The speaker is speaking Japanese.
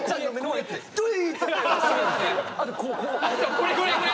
これこれこれ！